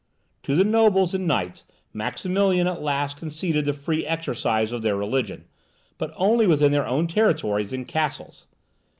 To the nobles and knights, Maximilian at last conceded the free exercise of their religion, but only within their own territories and castles.